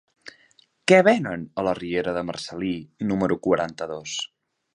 Què venen a la riera de Marcel·lí número quaranta-dos?